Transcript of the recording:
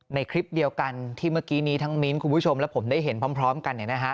ในคลิปเดียวกันที่เมื่อกี้นี้ทั้งมิ้นท์คุณผู้ชมและผมได้เห็นพร้อมกัน